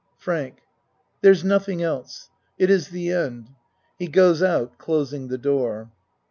FRANK There's nothing else. It is the end. (He goes out closing the door.)